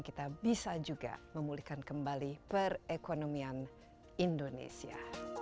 kita bisa juga memulihkan kembali perekonomian indonesia